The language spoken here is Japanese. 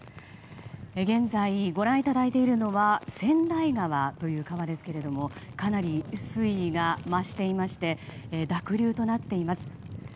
現在、ご覧いただいているのは千代川という川ですがかなり水位が増していまして濁流となっています。